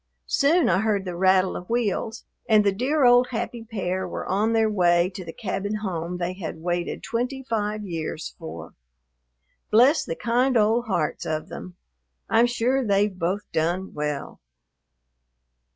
Soon I heard the rattle of wheels, and the dear old happy pair were on their way to the cabin home they had waited twenty five years for. Bless the kind old hearts of them! I'm sure they've both "done well."